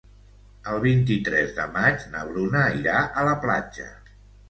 El vint-i-tres de maig na Bruna irà a la platja.